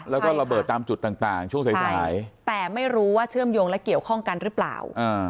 แล้วก็ระเบิดตามจุดต่างช่วงสายแต่ไม่รู้ว่าเชื่อมโยงและเกี่ยวข้องกันหรือเปล่า